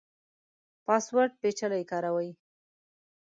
پاسورډ پیچلی کاروئ؟